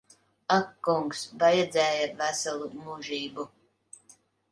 Ak kungs. Vajadzēja veselu mūžību.